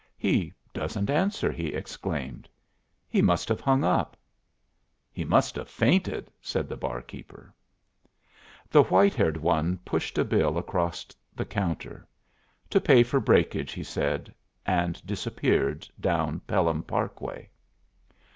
"He doesn't answer," he exclaimed. "He must have hung up." "He must have fainted!" said the barkeeper. The white haired one pushed a bill across the counter. "To pay for breakage," he said, and disappeared down Pelham Parkway.